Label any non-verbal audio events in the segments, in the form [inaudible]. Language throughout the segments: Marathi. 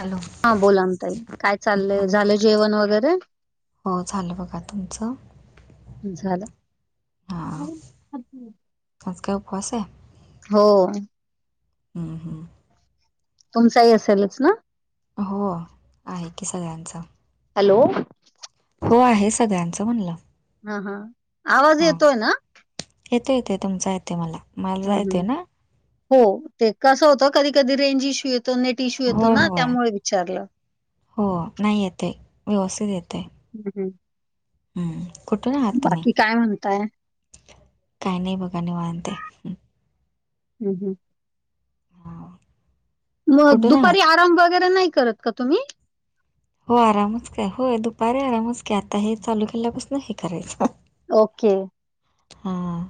हॅलो? हां बोला ताई, हं काय चाललंय झालं जेवण वगैरे हो झालं बघा. तुमचं? झालं. हां आज काय उपवास हाय? हो. ह, ह. तुमचाही असेलच ना? हो. आहे की सगळ्यांचा. हॅलो. हो आहे सगळ्यांचं म्हणलं. हा हा, आवाज येतोय ना? येतोय येतोय तुमचा येतोय मला. मला हं हं येते ना हो ते कसं होतं कधी कधी रेंज इश्यू येतो, नेट इशू येतो होय ना होय त्यामुळे विचारलं. हो नाही येतंय, व्यवस्थित येतंय. [unintelligible] हं हं कुठून आहात तुम्ही? बाकी काय म्हणताय काही नाही बघा निवांत हाय. हं हं. हां. मग कुठून आहात दुपारी आराम वगैरे नाही करत का तुम्ही? हो आरामच काय? होय दुपारी आरामच का आता हे चालू केल्यापासून हे करायचं. ओके. हां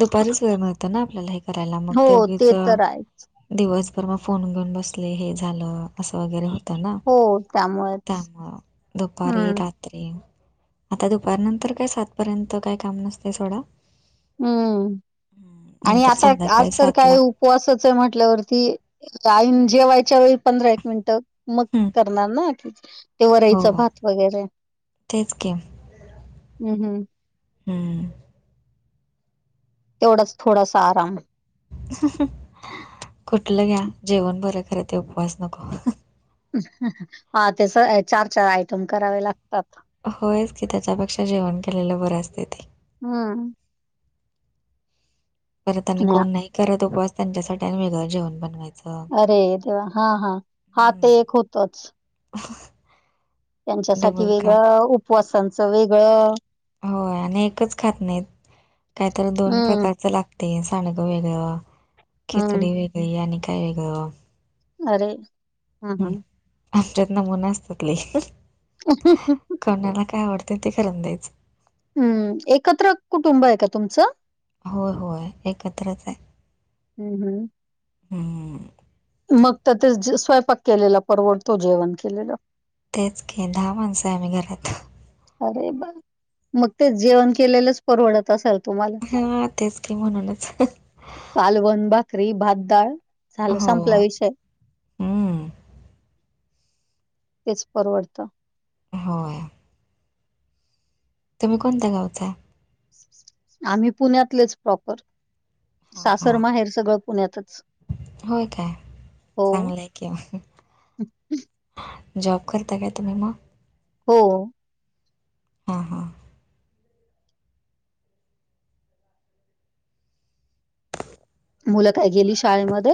दुपारीच वेळ मिळतंय ना आपल्याला हे करायला मग हो ते उगीच तर आहे दिवसभर मग फोन घेऊन बसले, हे झालं असं वगैरे हो यांना, हो त्यामुळेच दुपारी हम्म रा तरी आता दुपार नंतर काय सातपर्यंत काय काम नसतंय सोडा. हम्म हम्म, आणि नंतर आता आज संध्याकाळी तर सातला काय उ पवासच आहे म्हंटल्यावरती ऐन जेवायच्या वेळी पंधरा एक मिनिटं. मग हम्म, करणार ना, ते वरईच हो भात वगैरे. तेच की. हं हं. हम्म. तेवढाच थोडास आराम. कुठलं घ्या, जेवण बरं खर ते उपवास नको. हा तसं चार चार आयटम करावे लागतात. होयच की, त्याच्यापेक्षा जेवण केलेलं बरं असतंय ते. हम्म. परत आणि कोण नाही करत उपवास, त्यांच्यासाठी आणि वेगळं जेवण बनवायचं. अरे देवा, हा हा हा हम्म, ते एक होतंच. [unintelligible] त्यांच्यासाठी डबल काम वेगळं, उपवासाचं वेगळं. होय आणि एकच खात नाहीत, कायतर दोन हम्म प्रकारचं लाग ते सांडगं वेगळं, हम्म खिचडी वेगळी आणि काय वेगळं‌. अरे हं हं आमच्यात नमुनं असत्यात लय. [unintelligible] कोणाला काय आवडतंय ते करून द्यायचं. हम्म, एकत्र कुटुंब आहे का तुमचं? होय होय एकत्रच हाय. हम्म हं. हम्म. मग तर तेच स्वयंपाक केलेला परवडतो, जेवण केलेलं. तेच की दहा माणसं आम्ही घरात. अरे बघ, मग ते जेवण केलेलंच परवडत असल तुम्हाला. हां तेच काी म्हणूनच. कालवण भाकरी भातदाळ झालं हो संपला विषय हं. तेच परवडतं. हा... तुम्ही कोणता गावचाय. आम्ही पुण्यातलेच प्रॉपर हां सासर हां माहेर सगळं पुण्यातच होय काय हो, चांगलंय की मग जॉब करता काय तुम्ही मग हो.... हा हा मुलं काय गेली शाळे मध्ये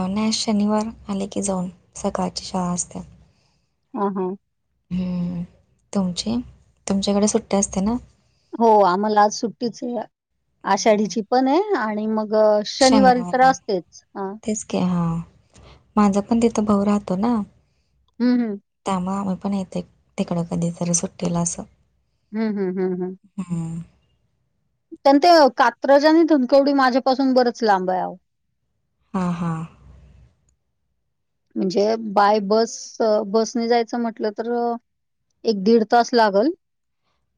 आवो नाय शनिवार आले की जाऊन सकाळची शाळा असते. हा हा हम तुमची तुमच्याकडे सुट्टी असते ना हो आम्हाला आज सुट्टीच हं. आषाढीची पण आहे आणि मग शनिवारी तर असतेच ह. के हा माझा पण तिथं भाऊ राहतो ना हम हम.. त्यामुळे आम्ही पण येतंय तिकडं कधी तरी सुट्टीला असं. हम हम हम हम हम. पण ते कात्रज आणि धूमकवडी माझ्यापासून बरच लांब आहे आहो हा हा म्हणजे बाय बस बसने जायचं म्हटलं तर एक दीड तास लागल.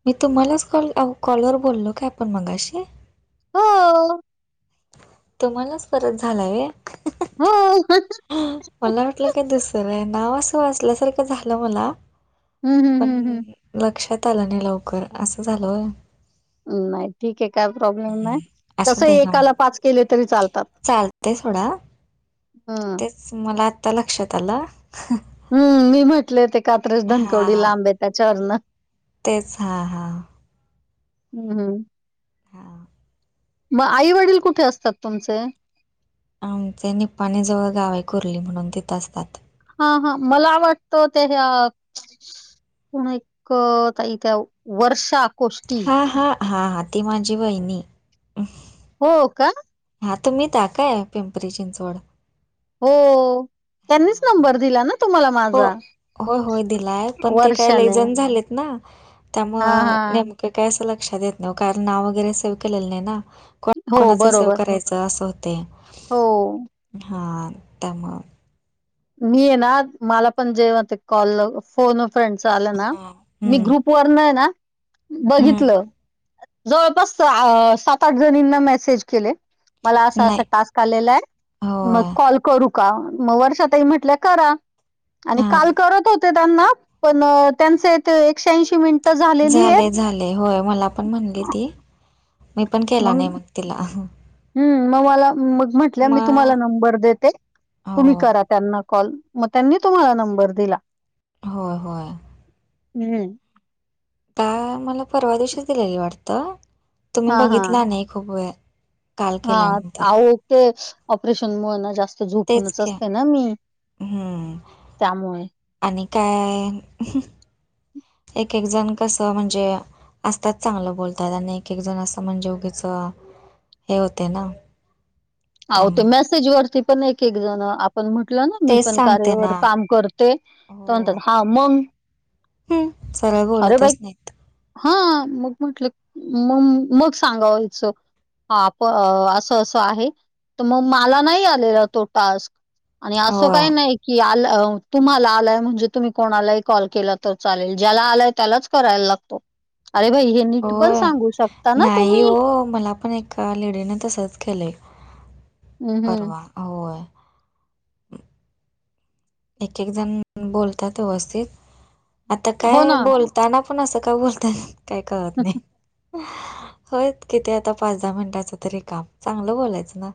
मी तुम्हालाच कॉल कॉलवर बोललो काय आपण मगाशी. हो.... तुम्हालाच परत झाला होय हो.... मला वाटलं काय दुसऱ्यांना असल्यासारखं झालं मला हम्म हम्म पण हम्म लक्षात आलं नाही लवकर असं झालं होय. नाही ठीक आहे काय प्रॉब्लेम हम्म. नाय तस ऐकला पाच केले तरी चालतात. चालते सोडा हम तेच मला आत्ता लक्षात आलं हम मी म्हटले ते कात्रज धनकवडी हां लांब त्याच्यावरनं तेच हा हा हम... हा.... वा आई वडील कुठे असतात तुमचे आमचे निपपाणी जवळ गावआहे कुर्ली म्हणून तिथं असतात. हा हा मला वाटतं ते पण एक ताई त्या वर्षा गोष्टी हा हा हा ती माझी वहिणी हो का. हा तुम्ही टाका पिंपरी चिंचवड हो हा त्यांनीच हा नंबर दिला ना तुम्हाला हो माझा हो होय दिलाय पण ते काय लयी वर्षाने जण झालेत ना. त्या मुळ हा हा नेमकं काय असं लक्षात येत नाही कारण नाव वगैरे सेव केलेलं नाही ना. को हो कोणाच सेव बरोबर करायचं असं होते हो. हा त्याना मी आहे ना मला पण जेवा ते कॉल फोन फ्रेंडस च आलं ना हा मी हम्म ग्रुप पुर्ण आहे ना हम्म बघितलं. जवळपास सात आठ जणींना मेसेज केले. मला असा असा नाही टास्क आलेला आहे मग होय कॉल करू का म वर्षात ताई म्हटल्या करा आणि हा काल करत होते त्यांना पण त्यांचे एकश्याऐंशी मिनिट झाले झाले होय मला पण म्हणली ती. मी पण केला नाही मग तिला. हम् मग मला मग म्हटलं मी तुम्हाला मग नंबर देते तुम्ही हो. करा. त्यांना कॉल मग त्यांनी तुम्हाला नंबर दिला. हो होय. हम्म. का मला परवा दिवशीच दिलेली वाटतं तुम्ही हा बघितला नाही खूप वेळ. काल हा केल्यानंतर. आवो तेच ऑपरेशन मुळ ना जास्त च तेच झोपूनच की. असते ना मी हं. त्यामुळे. आणि काय एक एक एक जण कसं म्हणजे असतात चांगलं बोलतात आणि एक एक जण असं म्हणजे उगीच हे होते ना. आवो ते त्यामुळं. मेसेज वरती पण एक एक जण आपण म्हटलं ना मी तेच पण सांगते कार्यवर ना. काम करत तें तर म्हणतात हा मग. हम् सगळ बोलतच नाही. हा मग म्हटलं मग मग सांगावायचं. हा प असं असं आहे तर मग मला नाही आलेला तो टास्क आणि असं होय. काही नाही की आल तुम्हाला आलाय म्हणजे तुम्ही कोणालाही कॉल केला तर चालेल ज्याला आलाय त्यालाच करायला लागतो अरे भाई हे नीट पण होय. सांगू शकता ना नाही तुम्ही. हो मला पण एका लेडीने तसच केलंय हं, हं. परवा होय. एक एक जण बोलतात व्यवस्थित आता हो काय ना. बोल त्यांना पण असं का बोलतात काय कळत नाही. होय किती आता पाच दहा मिनटाचं तरी काम चांगलं बोलायचं ना.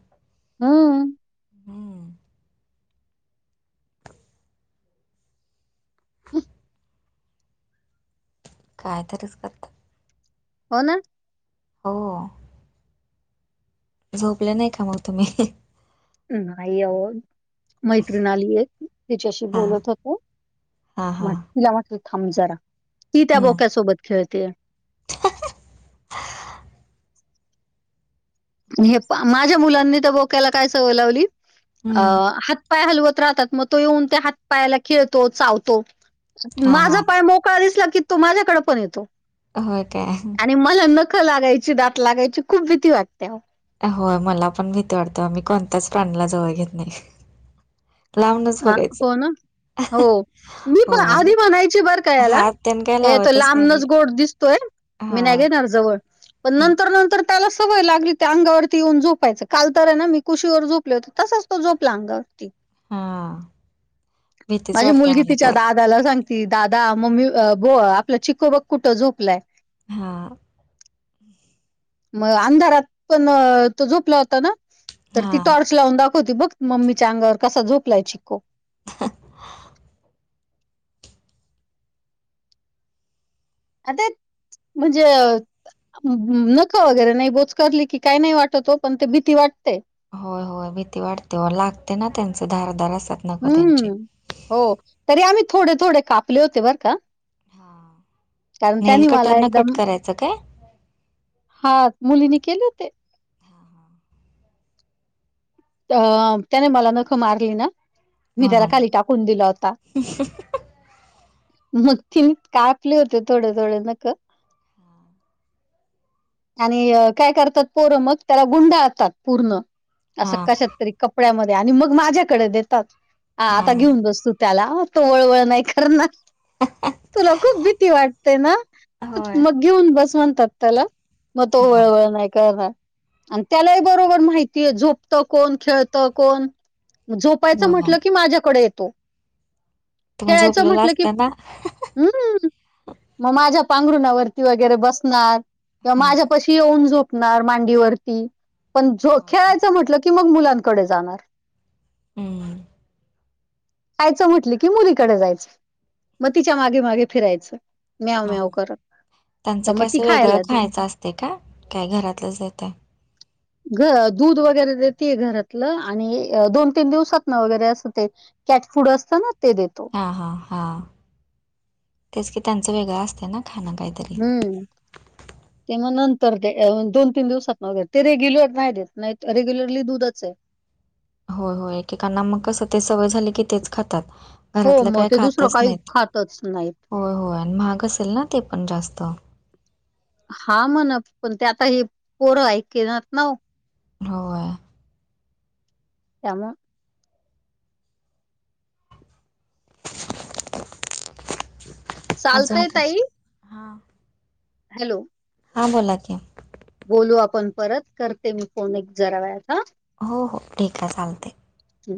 हम्म. हम्म काय तरीच करतात. हो ना? हो. झोपल्या नाही का मग तुम्ही? नजर जफजड जफ [unintelligible] मैत्रिण आलीये तिच्याशी हा बोलत होते हा हा म्हट तिला म्हटलं थांब जरा की त्या हम्म बोक्यासोबत खेळतेय. हे पहा माझ्या मुलांनी तर बोकायला काय सवय लावली हम्म अ पाय हलवत राहतात मग तो येऊन त्या हात पायाला खेळतो चावतो. हा हा माझा मोकळा दिसला की तो माझ्याकडे पण येतो. होय काय. आणि मला नखं लागायची, दात लागायची खूप भीती वाटत्या. होय मला पण भीती वाटत्या, मी कोणत्याच प्राण्याला जवळ घेत नाही. लांबनच हां, बघायचं. हो ना. हो मी पण होय आधी म्हणायची बरं का याला, हात त्यानं काय ते तो लावतच नाही मी लांबनच गोड दिसतोय. मी हा नाही घेणार जवळ. पण हम्म, नंतर नंतर त्याला सवय लागली, त्या अंगावरती येऊन झोपायचं. काल तर आहे ना, मी कुशीवर झोपले होते. तसाच तो झोपला अंगावरती. हां भीतीच माझी वाटत्या मुलगी तिच्या मलातर. दादाला सांगती, दादा मम्मी [unintelligible] आपलं चिको बग कुठं झोपलाय? हा. मग अंधारात पण तो झोपला होता ना, तर ती हा टॉर्च लावून दाखवती बघ मम्मीच्या अंगावर कसा झोपलाय चिको. [unintelligible] [unintelligible] म्हणजे नखं वगैरे नाही बोचकारली की काही नाही वाटत ओ, पण ती भीती वाटते. होय होय भीती वाटते ओ लागते ना त्यांचे धारदार असत्यात. अं हो तरी आम्ही थोडे थोडे कापले होते बर का. हा कारण नेल त्याने कटर मला न एकदम, कट करायचं काय हा हा मुलीनी केले होते. हा, अ त्याने मला ना नखं मारली ना मी त्याला म्हणून खाली टाकून दिला होता. मग ते मी कापली होते, थोडे थोडे नखं. आणि काय करतात पोरं मग त्याला गुंडाळतात पूर्ण. हा असं कशात तरी, कपड्यामध्ये आणि मग माझ्याकडे देतात. आ हा आता घेऊन बस तू त्याला तो वळवळ नाही करणार. तुला खूप भीती वाटते ना, होय मग घेऊन बस म्हणतात त्याला. मग तो हा वळवळ नाही करणार आणि त्यालाही माहिती आहे बरोबर झोप त कोण खेळतं, कोण झोपायचं होय म्हटलं की माझ्याकडे येतो. तुम्ही खेळायचं झोपलेला म्हटलं की असता ना हम्म, मग माझ्या पांघरुणावरती वगैरे बसणार किंवा हा माझ्या कशी येऊन झोपणार मांडीवरती? पण झो होय. खेळत लं की मग मुलांकडे जाणार. अं हं. खायचं म्हटलं, की मुलीकडे जायचं. मग तिच्या मागे मागे फिरायचं. म्याव हा म्याव करत. त्यांचं तर मग ती कसं वेगळं खायला दे खायचं असते का, काय घरातलंच हाय ते? घ दूध वगैरे देतीय घरातलं आणि दोन तीन दिवसातनं वगैरे असं ते कॅट फूड असतं ना ते देतो. हां हां हां, तेच की त्यांचं वेगळं असतं ना? खाणं काहीतरी हं. ते मग नंतर ते दोन तीन दिवसातनं वगैरे ते रेग्युलर नाही देत, नाही रेग्युलरली दूधच आहे. होय होय एकेकांना मग कसं ते सवय झाली की तेच खातात. हो घरातलं मग काही ते दुसरं खातच काही नाहीत, खातच नाहीत. होय होय आणि महाग असेल ना ते पण जास्त? हां म्हणा पण ते आता हे पोरं ऐकेनात ना ओ. होय. त्यामुळं [inaudible] अजून चालतंय काय ताई हॅलो. हां बोला की. बोलू आपण परत, करते मी फोन एक जरा वेळात हां. हो हो ठीक हाय चालतंय चालत. ह.